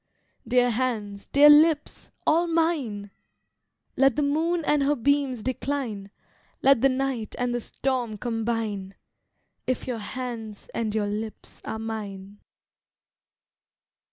Dear hands, dear lips, all mine! Let the moon and her beams decline, Let the night and the storm combine, If your hands and your lips are mine.